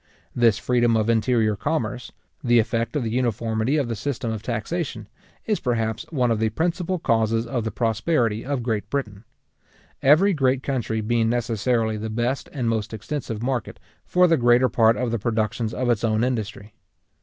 This freedom of interior commerce, the effect of the uniformity of the system of taxation, is perhaps one of the principal causes of the prosperity of Great Britain; every great country being necessarily the best and most extensive market for the greater part of the productions of its own industry.